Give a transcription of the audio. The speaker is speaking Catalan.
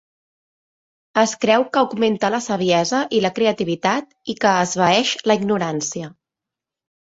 Es creu que augmenta la saviesa i la creativitat i que esvaeix la ignorància.